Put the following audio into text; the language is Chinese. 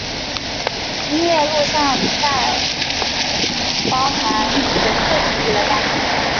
音乐录像带包含纯粹主义的概念。